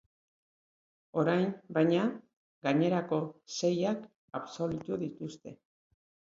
Orain, baina, gainerako seiak absolbitu dituzte.